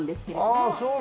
ああそう。